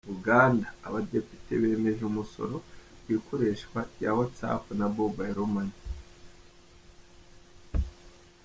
Uganda: Abadepite bemeje umusoro ku ikoreshwa rya WhatsApp na Mobile Money.